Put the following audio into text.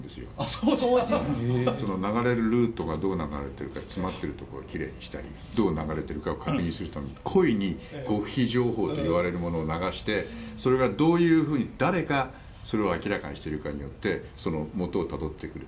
その流れるルートがどう流れているか詰まっているところを奇麗にしたりどう流れているかを確認するために故意に極秘情報といわれるものを流してそれがどういうふうに誰がそれを明らかにしているかによって元をたどっていく。